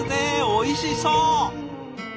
おいしそう！